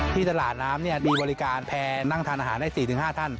ที่ตลาดน้ำเนี้ยมีบริการแพนนั่งทานอาหารได้สี่ถึงห้าท่าน